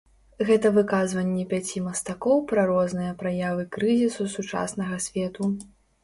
Гэта выказванні пяці мастакоў пра розныя праявы крызісу сучаснага свету.